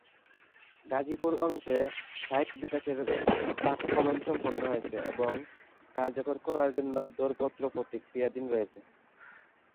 গাজীপুর অংশে সাইট বিকাশের প্রাক্কলন সম্পন্ন হয়েছে এবং কার্যকর করার জন্য দরপত্র প্রক্রিয়াধীন রয়েছে।